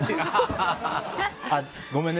ごめんね。